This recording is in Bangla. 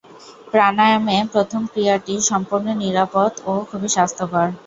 প্রাণায়ামে প্রথম ক্রিয়াটি সম্পূর্ণ নিরাপদ ও খুবই স্বাস্থ্যকর।